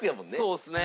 そうですね。